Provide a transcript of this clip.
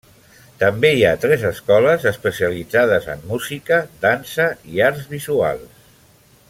També hi ha tres escoles especialitzades en música, dansa i arts visuals.